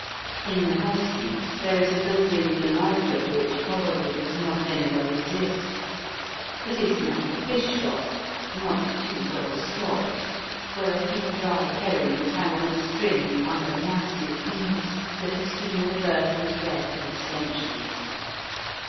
In the High street there is a building the like of which probably does not anywhere exist. It is now a fish shop, not too well stocked, where a few dried herrings hang on a string under massive eaves that have seen the birth and death of centuries.